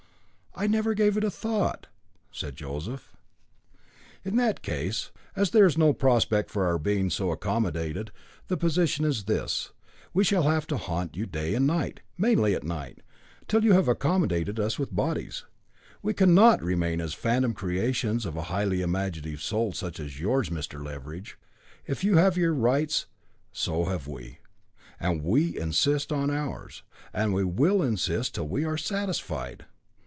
"I never gave it a thought," said Joseph. "In that case, as there is no prospect of our being so accommodated, the position is this: We shall have to haunt you night and day, mainly at night, till you have accommodated us with bodies; we cannot remain as phantom creations of a highly imaginative soul such as is yours, Mr. Leveridge. If you have your rights, so have we. And we insist on ours, and will insist till we are satisfied."